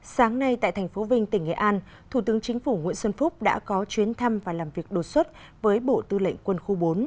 sáng nay tại thành phố vinh tỉnh nghệ an thủ tướng chính phủ nguyễn xuân phúc đã có chuyến thăm và làm việc đột xuất với bộ tư lệnh quân khu bốn